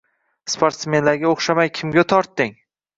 Sportsmenlarga o‘xshamay kimga tortding?